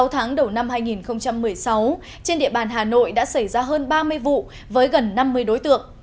sáu tháng đầu năm hai nghìn một mươi sáu trên địa bàn hà nội đã xảy ra hơn ba mươi vụ với gần năm mươi đối tượng